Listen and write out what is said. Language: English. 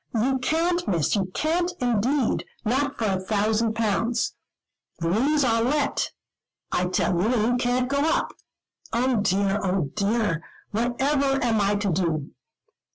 "You can't, Miss, you can't indeed not for a thousand pounds. The rooms are let, I tell you, and you can't go up. Oh dear, oh dear, whatever am I to do?"